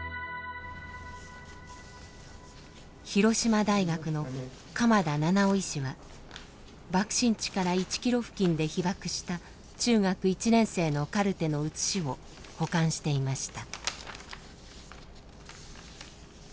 広島大学の鎌田七男医師は爆心地から１ｋｍ付近で被爆した中学１年生のカルテの写しを保管していました。